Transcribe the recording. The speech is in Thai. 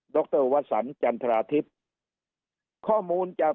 รวสันจันทราทิพย์ข้อมูลจาก